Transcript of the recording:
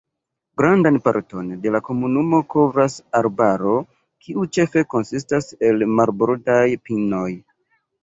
Grandan parton de la komunumo kovras arbaro, kiu ĉefe konsistas el marbordaj pinoj.